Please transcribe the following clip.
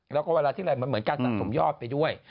แล้วก็เวลาที่มันเหมือนกันสำยอดไปด้วย